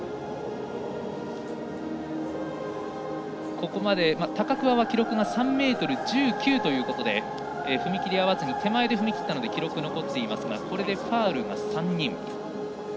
ここまで高桑は記録が３ｍ１９ということで踏み切りが合わず手前で踏み切ったという記録が残っていますがこれでファウルが３人。